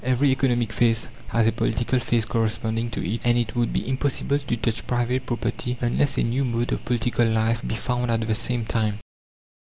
Every economic phase has a political phase corresponding to it, and it would be impossible to touch private property unless a new mode of political life be found at the same time.